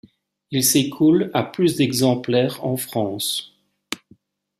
Il s'écoule à plus de exemplaires en France.